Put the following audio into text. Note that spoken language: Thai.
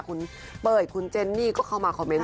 คุณเป้ยคุณเจนนี่ก็เข้ามาคอมเมนต